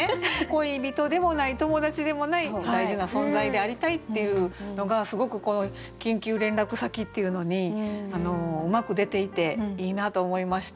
恋人でもない友達でもない大事な存在でありたいっていうのがすごくこの「緊急連絡先」っていうのにうまく出ていていいなと思いました。